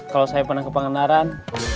kalau saya pernah kepengenaran